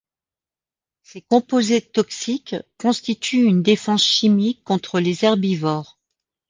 Ces composés toxiques constituent une défense chimique contre les herbivores.